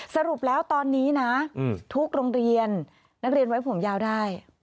สรุปแล้วตอนนี้นะทุกโรงเรียนนักเรียนไว้ผมยาวได้